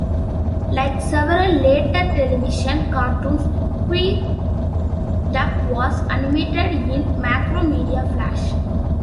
Like several later television cartoons, "Queer Duck" was animated in Macromedia Flash.